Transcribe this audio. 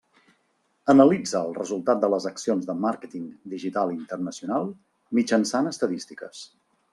Analitza el resultat de les accions de màrqueting digital internacional, mitjançant estadístiques.